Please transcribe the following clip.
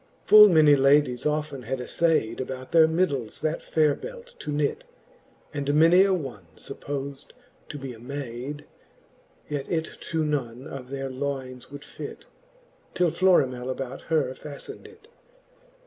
XXVIII. Full many ladies often had aflayd, About their middles that faire belt to knit; And many a one fuppos'd to be a mayd ; Yet it to none of all their loynes would fit, Till Florimell about her faftned it.